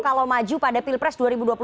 kalau maju pada pilpres dua ribu dua puluh